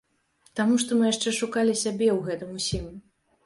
Таму што мы яшчэ шукалі сябе ў гэтым усім.